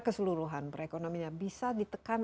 keseluruhan perekonomianya bisa ditekan